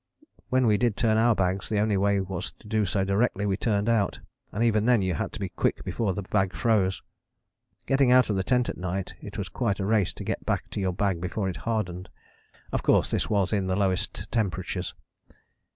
When we did turn our bags the only way was to do so directly we turned out, and even then you had to be quick before the bag froze. Getting out of the tent at night it was quite a race to get back to your bag before it hardened. Of course this was in the lowest temperatures.